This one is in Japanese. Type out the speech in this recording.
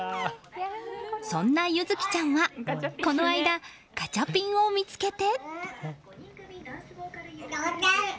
そんな柚希ちゃんはこの間、ガチャピンを見つけて。